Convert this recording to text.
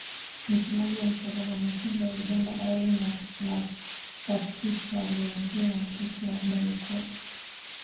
Msemaji wa Msalaba Mwekundu wa Uganda Irene Nakasita aliwaambia waandishi wa habari kuwa kufikia sasa waokoaji wamechukua miili ishirini.